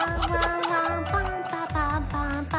パンパパンパンパ。